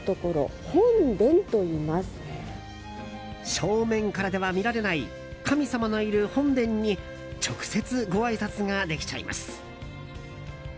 正面からでは見られない神様のいる本殿に直接ごあいさつができちゃいます。